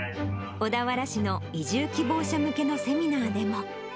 小田原市の移住希望者向けのセミナーでも。